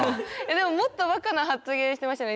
でももっとばかな発言してましたね。